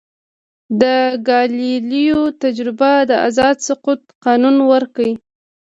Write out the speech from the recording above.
د ګالیلیو تجربه د آزاد سقوط قانون ورکړ.